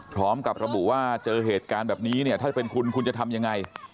พร้อมกับระบุว่าเจอเหตุการณ์แบบนี้เนี่ยถ้าจะเป็นคุณคุณจะทำยังไง